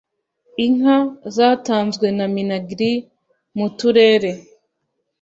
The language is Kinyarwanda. Inka zatanzwe na minagri mu turere